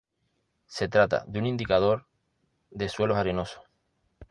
Se trata de un indicador de suelos arenosos.